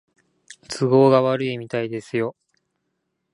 都合が悪いみたいですよ